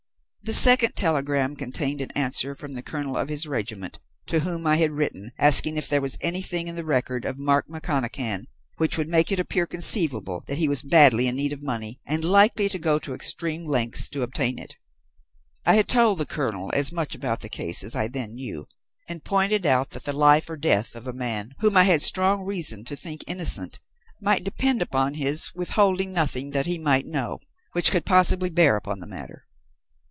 "The second telegram contained an answer from the colonel of his regiment, to whom I had written asking if there was anything in the record of Mark McConachan which would make it appear conceivable that he was badly in need of money, and likely to go to extreme lengths to obtain it. I had told the colonel as much about the case as I then knew, and pointed out that the life or death of a man whom I had strong reason to think innocent might depend upon his withholding nothing he might know which could possibly bear upon the matter.